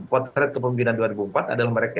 potret kepemimpinan dua ribu empat adalah mereka